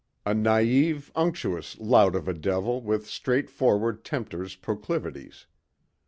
A naive, unctuous lout of a Devil with straightforward Tempter's proclivities.